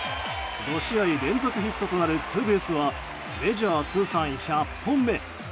５試合連続ヒットとなるツーベースはメジャー通算１００本目。